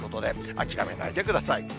諦めないでください。